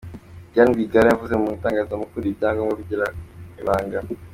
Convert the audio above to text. Diane Rwigara yavuze mu itangazamakuru ibyagombaga kugirwa ibanga!